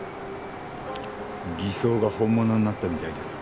偽装が本物になったみたいです。